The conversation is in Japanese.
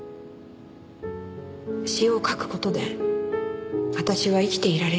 詩を書く事で私は生きていられる。